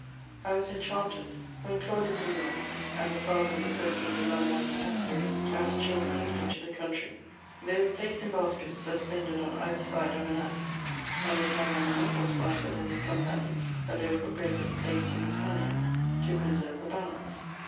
I was enchanted. When Claude de Bullion, and the father of the President de Lamoignon went, as children, into the country, *• they were placed in baskets, suspended on either side of an ass, and as Lamoignon was lighter than his companion, a loaf of bread was placed in his pannier to preserve the balance."